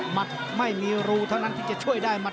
ไม่มีรูเท่านั้นที่จะช่วยได้หัด